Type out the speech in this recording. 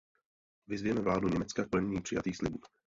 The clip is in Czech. Vyzvěme vládu Německa k plnění přijatých slibů.